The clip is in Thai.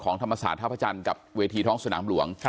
ธรรมศาสตร์ท่าพระจันทร์กับเวทีท้องสนามหลวง